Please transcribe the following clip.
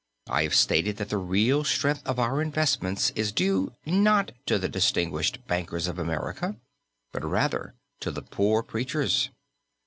I have stated that the real strength of our investments is due, not to the distinguished bankers of America, but rather to the poor preachers.